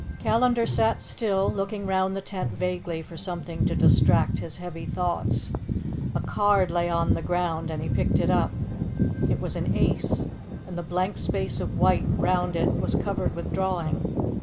Callandar sat still, looking round the tent vaguely for something to distract his heavy thoughts. A card lay on the ground and he picked it up. It was an ace, and the blank space of white round it was covered with drawing.